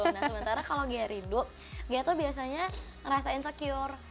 nah sementara kalau ghea rindu ghea tuh biasanya ngerasa insecure